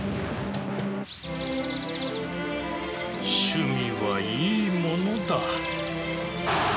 趣味はいいものだ。